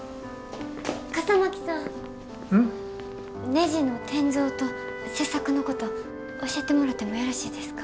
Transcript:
ねじの転造と切削のこと教えてもらってもよろしいですか？